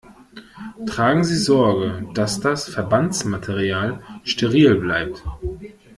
Tragen Sie Sorge, dass das Verbandsmaterial steril bleibt.